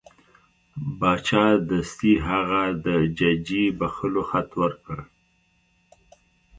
باچا دستي هغه د ججې بخښلو خط ورکړ.